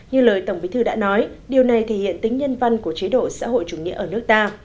như lời tổng bí thư đã nói điều này thể hiện tính nhân văn của chế độ xã hội chủ nghĩa ở nước ta